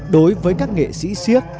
đối với các nghệ sĩ siếc